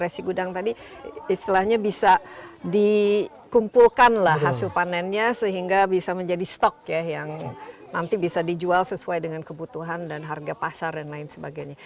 resi gudang tadi istilahnya bisa dikumpulkan lah hasil panennya sehingga bisa menjadi stok ya yang nanti bisa dijual sesuai dengan kebutuhan dan harga pasar dan lain sebagainya